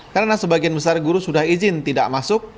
karena sebagian besar guru sudah izin tidak masuk